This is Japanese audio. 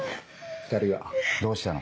２人はどうしたの？